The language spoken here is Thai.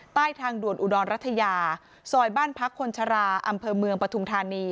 ใต้ทางด่วนอุดรรัฐยาซอยบ้านพักคนชราอำเภอเมืองปฐุมธานี